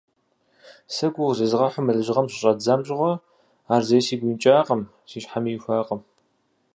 Сэ гугъу зезгъэхьу мы лэжьыгъэм щыщӏэздзэм щыгъуэ, ар зэи сигу икӏакъым, си щхьэми ихуакъым.